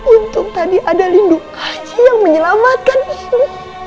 untuk tadi ada lindung haji yang menyelamatkan ibu